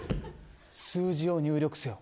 数字を入力せよ。